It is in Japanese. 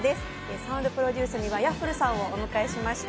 サウンドプロデュースにＹａｆｆｌｅさんをお迎えしました。